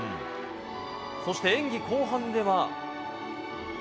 そして、演技後半では。